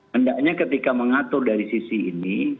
hendaknya ketika mengatur dari sisi ini